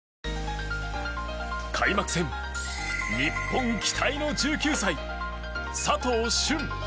開幕戦日本期待の１９歳佐藤駿。